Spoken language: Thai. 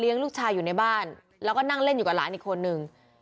อยู่ในบ้านแล้วก็นั้งเล่นกับหลานอีกคนนึง